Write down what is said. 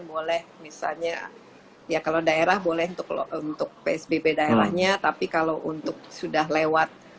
boleh misalnya ya kalau daerah boleh untuk psbb daerahnya tapi kalau untuk sudah lewat